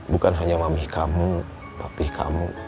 bukan hanya mamih kamu papih kamu